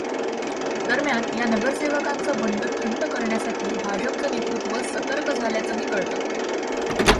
दरम्यान या नगरसेवकांचं बंड ठंड करण्यासाठी भाजपचं नेतृत्त्व सतर्क झाल्याचंही कळतं.